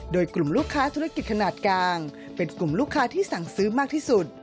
โดยกลุ่มลูกค้าธุรกิจขนาดกลางเป็นกลุ่มลูกค้าที่สั่งซื้อมากที่สุด